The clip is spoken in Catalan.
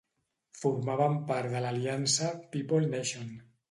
Formaven part de l'aliança People Nation.